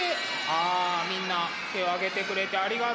あみんな手を挙げてくれてありがとう。